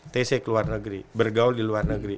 tc ke luar negeri bergaul di luar negeri